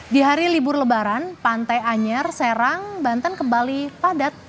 di hari libur lebaran pantai anyer serang banten kembali padat